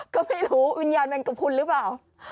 ก็ไม่รู้วิญญาณแมงกระพุนหรือเปล่า